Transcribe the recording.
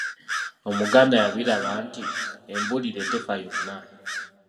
Omuganda yabiraba nti, “Embuulire tefa yonna.”